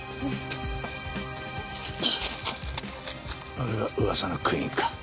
あれが噂のクイーンか。